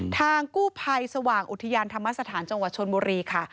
ทางกู้ภัยสว่างอุทยานธรรมสถานจังหวัดชนบุรีค่ะ